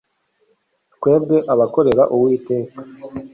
twebwe abakorera uwiteka